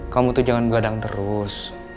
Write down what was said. kamu tuh jangan gadang terus